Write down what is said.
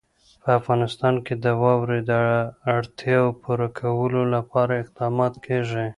په افغانستان کې د واوره د اړتیاوو پوره کولو لپاره اقدامات کېږي.